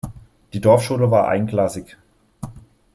Die Dorfschule war einklassig.